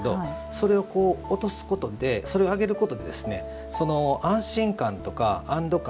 それを落とすことでそれを上げることで安心感とか、安ど感